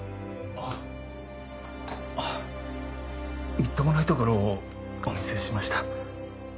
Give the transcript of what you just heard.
みっともないところをお見せしました。